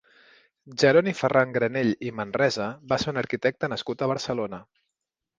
Jeroni Ferran Granell i Manresa va ser un arquitecte nascut a Barcelona.